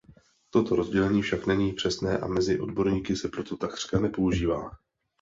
Toto rozdělení však není přesné a mezi odborníky se proto takřka nepoužívá.